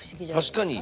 確かに。